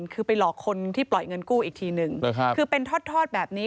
คือไปหลอกคนที่ปล่อยเงินกู้อีกทีนึงคือเป็นทอดแบบนี้